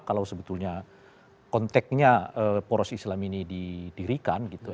kalau sebetulnya konteknya poros islam ini didirikan gitu